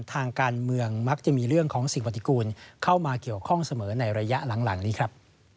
ทางการเมืองมักจะมีเรื่องของสิ่งปฏิกูลเข้ามาเกี่ยวข้องเสมอในระยะหลังนี้ครับ